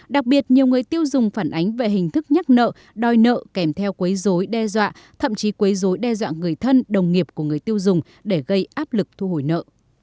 đặc biệt nhiều người tiêu dùng phản ánh về hình thức nhắc nợ đòi nợ kèm theo quấy dối đe dọa thậm chí quấy dối đe dọa người thân đồng nghiệp của người tiêu dùng để gây áp lực thu hồi nợ